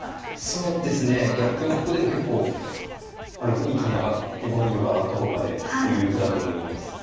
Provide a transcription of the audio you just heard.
そうですねいや６四角出も結構６二金上がって５二玉上がった効果で有力だと思います。